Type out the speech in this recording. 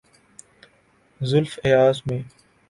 زلف ایاز میں۔